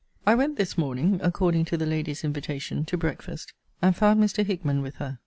I went this morning, according to the lady's invitation, to breakfast, and found Mr. Hickman with her.